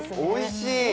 おいしい！